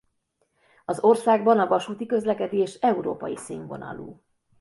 Az országban a vasúti közlekedés európai színvonalú.